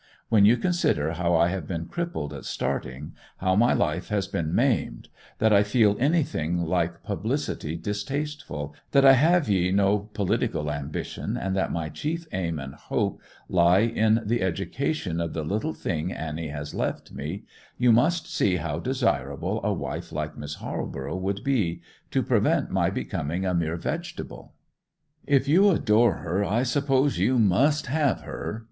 When you consider how I have been crippled at starting, how my life has been maimed; that I feel anything like publicity distasteful, that I have no political ambition, and that my chief aim and hope lie in the education of the little thing Annie has left me, you must see how desirable a wife like Miss Halborough would be, to prevent my becoming a mere vegetable.' 'If you adore her, I suppose you must have her!